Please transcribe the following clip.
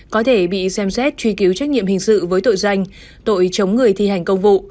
có thể bị xem xét truy cứu trách nhiệm hình sự với tội danh tội chống người thi hành công vụ